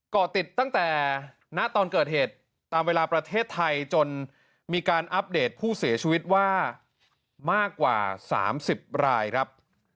เกาะติดตั้งแต่ณตอนเกิดเหตุตามเวลาประเทศไทยจนมีการอัปเดตผู้เสียชีวิตว่ามากกว่า๓๐รายครับ